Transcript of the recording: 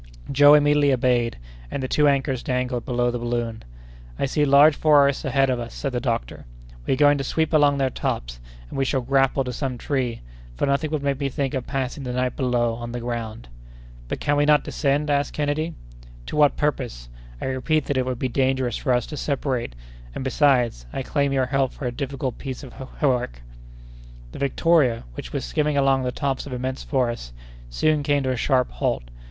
Joe immediately obeyed, and the two anchors dangled below the balloon. "I see large forests ahead of us," said the doctor; "we are going to sweep along their tops, and we shall grapple to some tree, for nothing would make me think of passing the night below, on the ground." "But can we not descend?" asked Kennedy. "To what purpose? I repeat that it would be dangerous for us to separate, and, besides, I claim your help for a difficult piece of work." The Victoria, which was skimming along the tops of immense forests, soon came to a sharp halt.